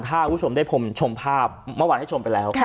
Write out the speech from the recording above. ถ้าคุณผู้ชมได้ชมภาพเมื่อวานให้ชมไปแล้ว